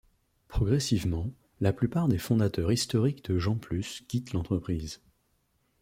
Progressivement, la plupart des fondateurs historiques de Gemplus quittent l'entreprise.